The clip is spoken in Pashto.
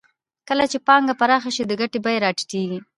کله چې پانګه پراخه شي د ګټې بیه راټیټېږي